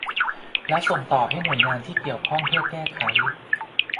แล้วส่งต่อให้หน่วยงานที่เกี่ยวข้องเพื่อแก้ไข